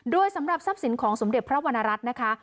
โดยสำหรับทรัพย์สินของสมเด็จพระวรรณรัฐนะคะ